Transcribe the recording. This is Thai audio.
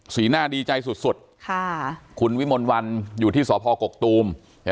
หน้าดีใจสุดคุณวิมลวันอยู่ที่สพกกตูม